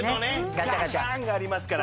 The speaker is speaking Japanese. ガシャーンがありますから。